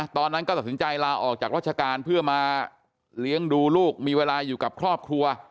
ตอนนั้นก็ตัดสินใจลาออกจากราชการเพื่อมาเลี้ยงดูลูกมีเวลาอยู่กับครอบครัว